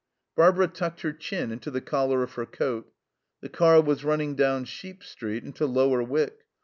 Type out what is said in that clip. Barbara tucked her chin into the collar of her coat. The car was running down Sheep Street into Lower Wyck.